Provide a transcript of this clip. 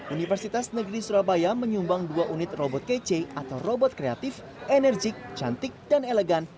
universitas negeri surabaya menyumbang dua unit robot kece atau robot kreatif enerjik cantik dan elegan